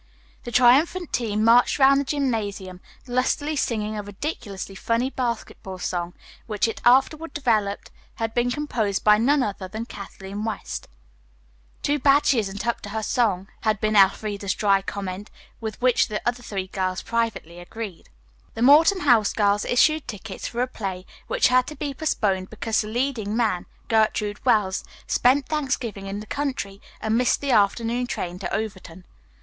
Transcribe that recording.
The triumphant team marched around the gymnasium, lustily singing a ridiculously funny basketball song which it afterward developed had been composed by none other than Kathleen West. "Too bad she isn't up to her song," had been Elfreda's dry comment, with which the other three girls privately agreed. The Morton House girls issued tickets for a play, which had to be postponed because the leading man (Gertrude Wells) spent Thanksgiving in the country and missed the afternoon train to Overton.